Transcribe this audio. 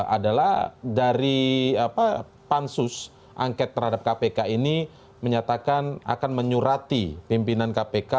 adalah dari pansus angket terhadap kpk ini menyatakan akan menyurati pimpinan kpk